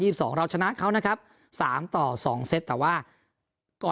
สองเราชนะเขานะครับสามต่อสองเซตแต่ว่าก็